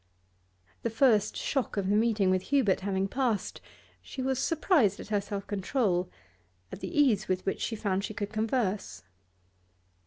The first shock of the meeting with Hubert having passed, she was surprised at her self control, at the ease with which she found she could converse.